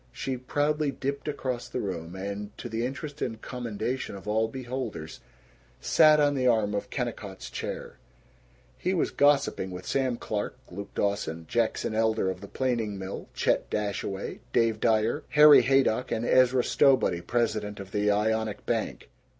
She proudly dipped across the room and, to the interest and commendation of all beholders, sat on the arm of Kennicott's chair. He was gossiping with Sam Clark, Luke Dawson, Jackson Elder of the planing mill, Chet Dashaway, Dave Dyer, Harry Haydock, and Ezra Stowbody, president of the Ionic bank.